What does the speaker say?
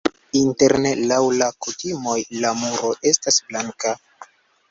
Interne laŭ la kutimoj la muro estas blanka.